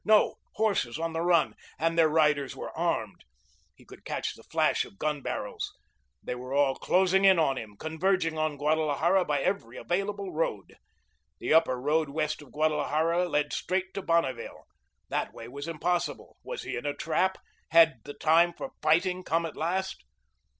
No, horses on the run, and their riders were armed! He could catch the flash of gun barrels. They were all closing in on him, converging on Guadalajara by every available road. The Upper Road west of Guadalajara led straight to Bonneville. That way was impossible. Was he in a trap? Had the time for fighting come at last?